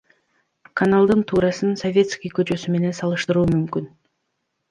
Каналдын туурасын Советский көчөсү менен салыштыруу мүмкүн.